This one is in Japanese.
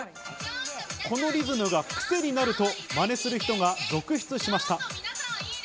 このリズムがクセになるとマネする人が続出しました。